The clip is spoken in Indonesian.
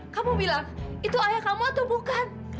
kamu bilang itu ayah kamu atau bukan